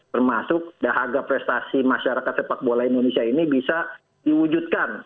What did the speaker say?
termasuk dahaga prestasi masyarakat sepak bola indonesia ini bisa diwujudkan